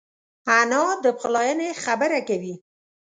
انا د پخلاینې خبره کوي